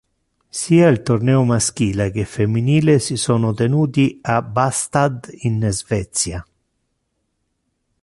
Sia il torneo maschile che femminile si sono tenuti a Båstad in Svezia.